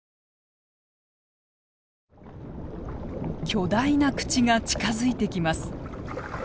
巨大な口が近づいてきます。